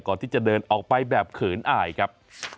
ก่อนที่จะเดินออกไปแบบเขินอายครับ